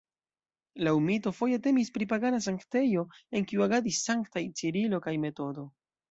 Laŭ mito foje temis pri pagana sanktejo, en kiu agadis sanktaj Cirilo kaj Metodo.